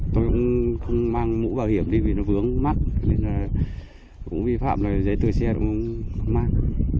tôi cũng không mang mũ bảo hiểm thì vì nó vướng mắt nên là cũng vi phạm là giấy tờ xe cũng không mang